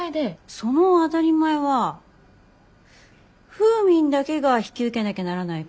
その当たり前はフーミンだけが引き受けなきゃならないことなのかな。